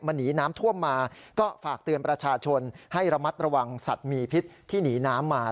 มันหนีน้ำท่วมมาก็ฝากเตือนประชาชนให้ระมัดระวังสัตว์มีพิษที่หนีน้ำมา